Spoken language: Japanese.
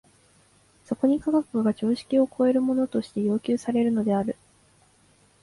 そこに科学が常識を超えるものとして要求されるのである。